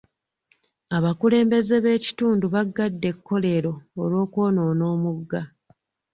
Abakulembeze b'ekitundu baggadde ekkolero olw'okwonoona omugga.